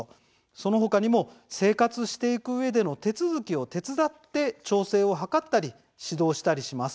その他にも生活していくうえでの手続きを手伝って調整を図ったり指導したりします。